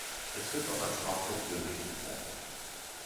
Es wird auch als Hartford Village bezeichnet.